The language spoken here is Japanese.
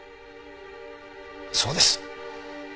そうです。